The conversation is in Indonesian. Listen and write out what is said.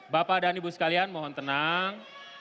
bapak dan ibu sekalian mohon tenang